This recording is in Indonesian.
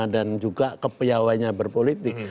dan juga kepeyawainya berpolitik